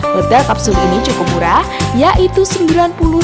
hotel kapsul ini cukup murah yaitu rp sembilan puluh